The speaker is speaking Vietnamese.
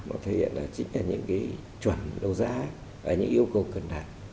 nó thể hiện là chính là những cái chuẩn đồ giá và những yêu cầu cần đạt